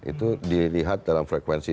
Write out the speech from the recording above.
itu dilihat dalam frekuensi